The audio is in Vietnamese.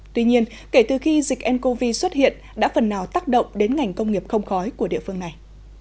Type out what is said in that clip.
tuy nhiên kể từ khi dịch ncov xuất hiện đã phần nào tác động đến ngành công nghiệp không khói của địa phương này